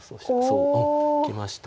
そうきました。